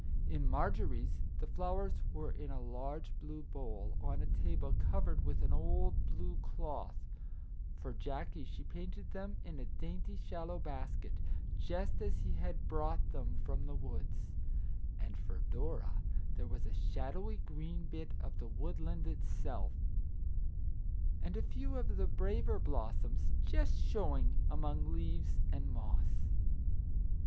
In Marjorie's the flowers were in a large blue bowl, on a table covered with an old blue cloth ; for Jackie she painted them in a dainty shallow basket, just as he had brought them from the woods ; and for Dora there was a shadowy green bit of the woodland itself, and a few of the braver blossoms just showing among leaves and moss.